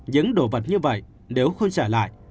những đồ vật như vậy nếu không trả lại